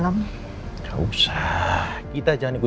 oh ongkong wikipedia fight